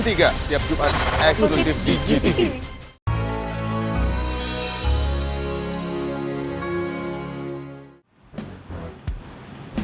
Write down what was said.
tiap jumat eksklusif di gtv